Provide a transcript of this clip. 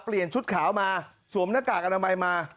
เปลี่ยนชุดขาวมาสวมหน้ากากอนามัยมา